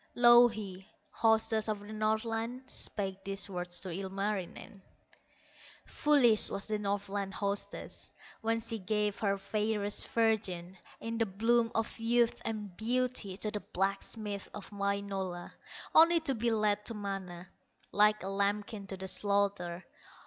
Louhi, hostess of the Northland, Spake these words to Ilmarinen: "Foolish was the Northland hostess, When she gave her fairest virgin, In the bloom of youth and beauty To the blacksmith of Wainola, Only to be led to Mana, Like a lambkin to the slaughter!